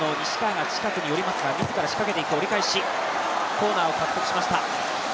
コーナーを獲得しました。